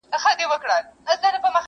یوه ورځ وو یو صوفي ورته راغلی،